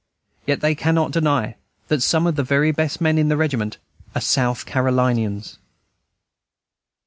Yet they cannot deny that some of the very best men in the regiment are South Carolinians.